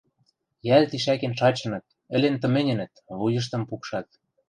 Йӓл тишӓкен шачыныт, ӹлен тыменьӹнӹт, вуйыштым пукшат.